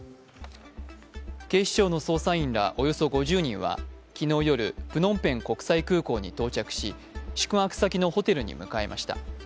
警視庁の捜査員らおよそ５０人は昨日夜、プノンペン国際空港に到着し、宿泊先のホテルに向かいました。